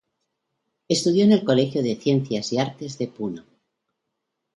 Estudio en el Colegio de Ciencias y Artes de Puno.